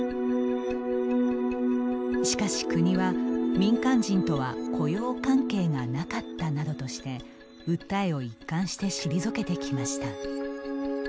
しかし、国は民間人とは雇用関係がなかったなどとして訴えを一貫して退けてきました。